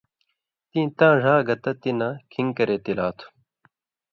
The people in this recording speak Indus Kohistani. تیں تاں ڙھا گتہ تہ نہ کِھن٘گ کرے تِلا تُھو